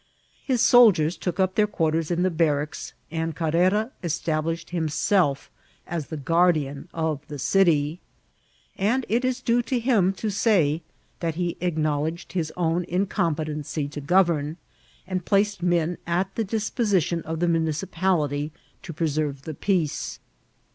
His soldiers took up their quarters in the barracks, and Carrera estaUished himself as the guardian of the city ; and it is due to him to say that he acknowledged his own incompetency to govern, and placed men at the disposition of the municipality to preserve the peace.